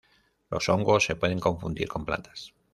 Los hongos se pueden confundir con plantas.